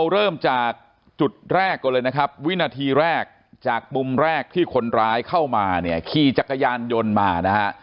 เริ่มจากจุดแรกอะไรนะคะวินาทีแรกจากมุมแรกที่คนร้ายเข้ามาขี่จักรยานยนต์มา